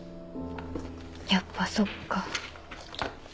やっぱそっか。